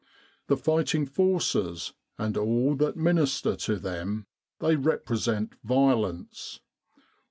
The fighting forces and all that minister to them they represent Violence.